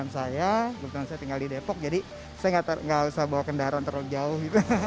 saya nggak usah bawa kendaraan terlalu jauh